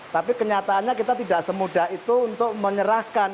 tapi kenyataannya kita tidak semudah itu untuk menyerahkan